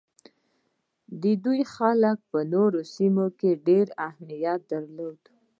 د دې خلکو کار په نوو سیمو کې ډیر اهمیت درلود.